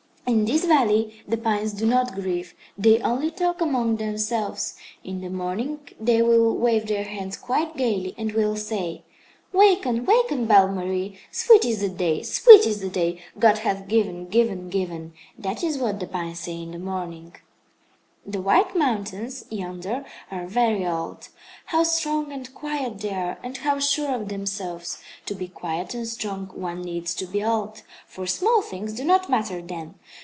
In this valley the pines do not grieve. They only talk among themselves. In the morning they will wave their hands quite gaily and will say: 'Waken, waken, Belle Marie! Sweet is the day, sweet is the day, God hath given, given, given!' That is what the pines say in the morning. "The white mountains yonder are very old. How strong and quiet they are, and how sure of themselves! To be quiet and strong one needs to be old, for small things do not matter then.